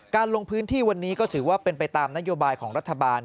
ลงพื้นที่วันนี้ก็ถือว่าเป็นไปตามนโยบายของรัฐบาล